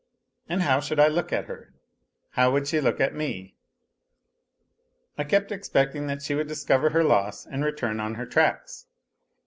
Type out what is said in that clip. And how should I look, at her ? How would she look at me. I kept expecting that she would discover her loss and return on her tracks.